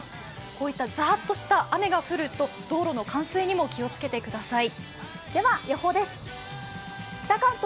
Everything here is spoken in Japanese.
こういったざーっとした雨が降ると道路の冠水にも気をつけてください。